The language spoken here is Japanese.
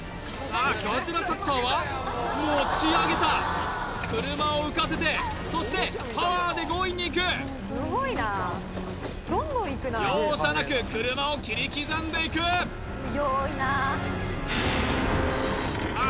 ガジラカッターは持ち上げた車を浮かせてそしてパワーで強引にいく容赦なく車を切り刻んでいくさあ